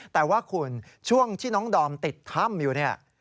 แต่ว่าคุณช่วงที่น้องดอมติดถ้ำอยู่เนี่ย